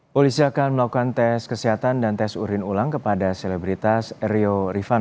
polisi akan melakukan tes kesehatan dan tes urin ulang kepada selebritas rio rifan